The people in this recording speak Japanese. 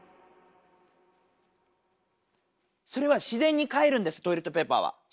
それは自然にかえるんですトイレットペーパーは。